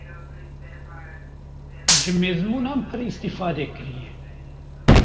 ji mezmûnan pir îstîfade kiriye.